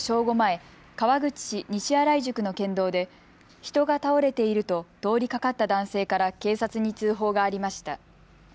午前、川口市西新井宿の県道で人が倒れていると通りかかった男性から警察に通報がありました。